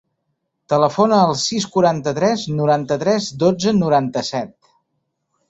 Telefona al sis, quaranta-tres, noranta-tres, dotze, noranta-set.